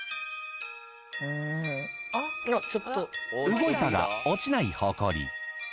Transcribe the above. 動いたが落ちないホコリ。